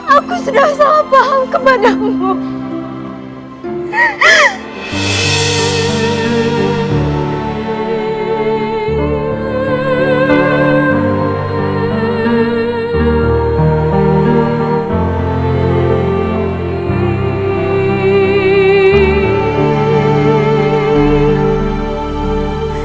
aku sudah salah paham kepadamu